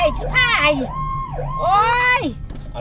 ผู้ชีพเราบอกให้สุจรรย์ว่า๒